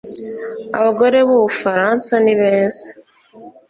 Abagore bUbufaransa ni beza